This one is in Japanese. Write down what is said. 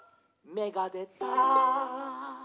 「めがでた！」